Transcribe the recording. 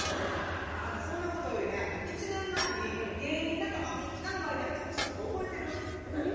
あなたそんなことよりね１年前に芸人仲間みんなの前で約束したこと覚えてる？何？